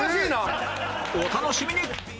お楽しみに！